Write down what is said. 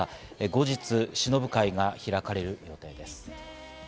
後日、しのぶ会が開かれる予定です。